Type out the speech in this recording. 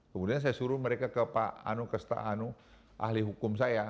kemudian saya suruh mereka ke pak anu kesta anu ahli hukum saya